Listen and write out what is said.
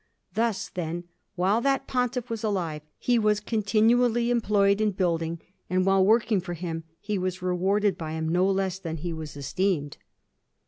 Thus, then, while that Pontiff was alive, he was continually employed in building; and while working for him, he was rewarded by him no less than he was esteemed.